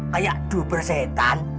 kayak dua bersih etan